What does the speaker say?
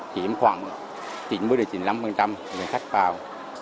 chỉ em khoảng chín mươi chín mươi năm người khách vào